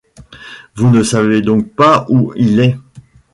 Vous ne savez donc pas où il est?